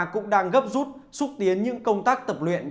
cũng đang gấp rút xúc tiến những công tác tập luyện